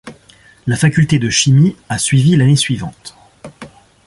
La Faculté de chimie a suivi l’année suivante.